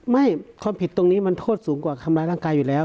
ความผิดตรงนี้มันโทษสูงกว่าทำร้ายร่างกายอยู่แล้ว